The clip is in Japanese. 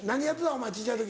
お前小っちゃい時。